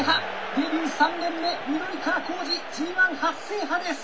デビュー３年目緑川光司ＧⅠ初制覇です！